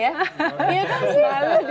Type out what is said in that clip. iya kan sih